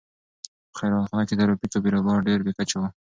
په خیرخانه کې د ترافیکو بېروبار ډېر بې کچې و.